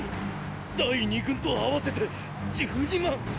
第二軍と合わせて十二万。